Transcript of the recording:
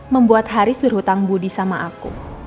membuat haris berhutang budi sama aku